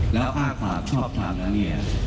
แล้วอ้างความชอบทำแล้วเนี่ย